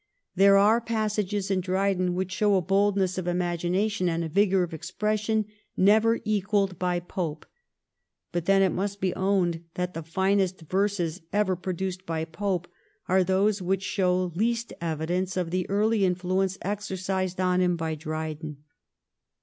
There are pas sages in Dryden which show a boldness of imagina tion and a vigour of expression never equalled by Pope ; but then it must be owned that the finest verses ever produced by Pope are those which show least evidence of the early influence exercised on him by Dryden.